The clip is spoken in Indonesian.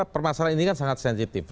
permasalahan ini kan sangat sensitif